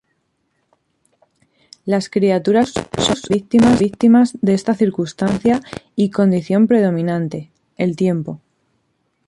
Las criaturas de Proust son víctimas de esta circunstancia y condición predominante: el tiempo.